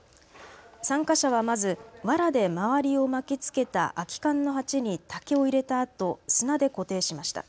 参加者は、まずわらで周りを巻きつけた空き缶の鉢に竹を入れたあと砂で固定しました。